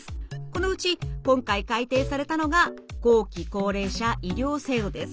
このうち今回改定されたのが後期高齢者医療制度です。